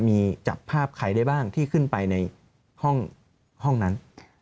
มีจับภาพใครได้บ้างที่ขึ้นไปในห้องนั้น